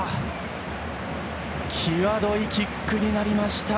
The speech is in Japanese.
際どいキックになりました。